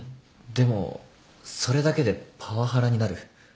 でもそれだけでパワハラになる？